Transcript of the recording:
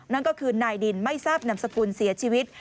นั่นก็คือนายดินไม่ทราบนามสกุลเสียชีวิต